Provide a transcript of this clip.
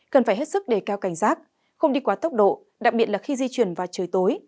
cần phải hết sức đề cao cảnh giác không đi quá tốc độ đặc biệt là khi di chuyển vào trời tối